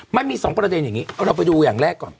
มันมี๒ประเด็นอย่างนี้เราไปดูอย่างแรกก่อน